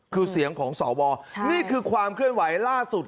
คือเสียงของสวนี่คือความเคลื่อนไหวล่าสุด